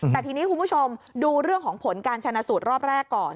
แต่ทีนี้คุณผู้ชมดูเรื่องของผลการชนะสูตรรอบแรกก่อน